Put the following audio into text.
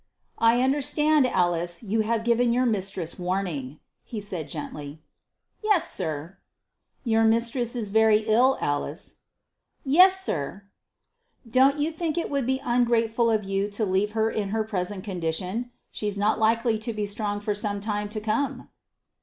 "I understand, Alice, you have given your mistress warning," he said gently. "Yes, sir." "Your mistress is very ill, Alice." "Yes, sir." "Don't you think it would be ungrateful of you to leave her in her present condition? She's not likely to be strong for some time to come."